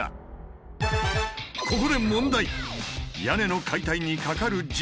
ここで問題。